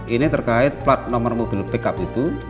ini terkait plat nomor mobil pickup itu